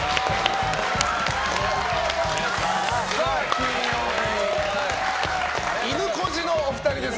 金曜日、いぬこじのお二人です。